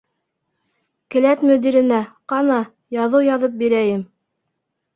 Келәт мөдиренә, ҡана, яҙыу яҙып бирәйем.